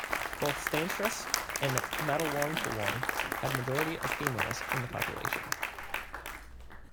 Both Steynsrus and Matlwangtlwang had majority of Females in the population.